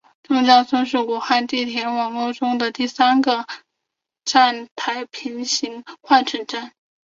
钟家村是武汉地铁网络中第三个同站台平行换乘站。